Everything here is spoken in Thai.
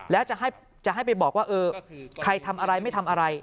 แล้วจะให้ไปบอกว่าเออใครทำอะไรไม่ทำอะไร